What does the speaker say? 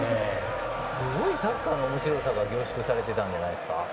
すごいサッカーのおもしろさが凝縮されていたんじゃないですか。